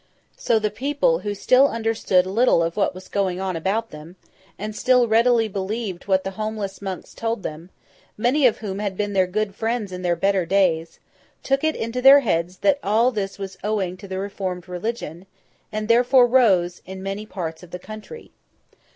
So the people, who still understood little of what was going on about them, and still readily believed what the homeless monks told them—many of whom had been their good friends in their better days—took it into their heads that all this was owing to the reformed religion, and therefore rose, in many parts of the country.